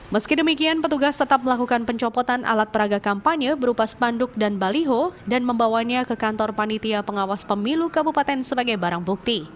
meski demikian petugas tetap melakukan pencopotan alat peraga kampanye berupa spanduk dan baliho dan membawanya ke kantor panitia pengawas pemilu kabupaten sebagai barang bukti